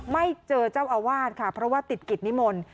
ไม่เจอเจ้าอาวาสค่ะเพราะว่าติดกิจนิมนต์